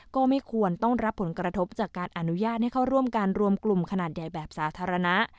ก็ไม่ควรต้องรับผลกระทบจากการอนุญาตให้เข้าร่วมการรวมกลุ่มขนาดใหญ่แบบสาธารณะ